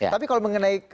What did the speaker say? tapi kalau mengenai